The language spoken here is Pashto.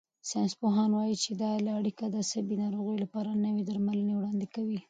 ساینسپوهان وايي چې دا اړیکه د عصبي ناروغیو لپاره نوي درملنې وړاندې کوي.